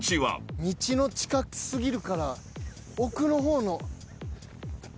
道の近く過ぎるから奥の方の木にしよ。